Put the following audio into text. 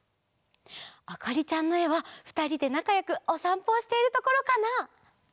あかりちゃんのえはふたりでなかよくおさんぽをしているところかな？